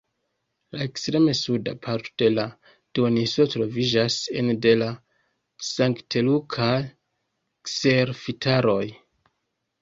La ekstrem-suda parto de la duoninsulo troviĝas ene de la sankt-lukaj kserofitaroj.